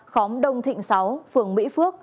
khóm đông thịnh sáu phường mỹ phước